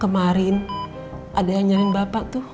kemarin ada yang nyalain bapak tuh